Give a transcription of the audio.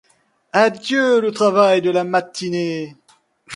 Adieu le travail de la matinée !